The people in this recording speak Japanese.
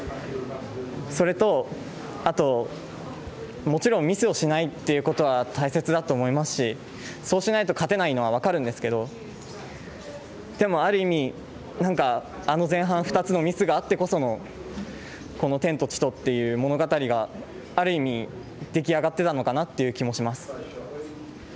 それと、もちろんミスをしないということは大切だと思いますしそうしないと勝てないのは分かるんですけどでもある意味、あの前半２つのミスがあってこそのこの「天と地と」という物語がある意味出来上がっていたのかなという気もします。